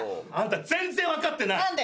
あんた全然分かってない。